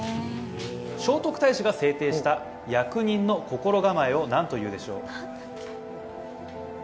聖徳太子が制定した役人の心構えをなんというでしょう？